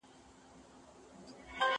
زه له سهاره مړۍ خورم؟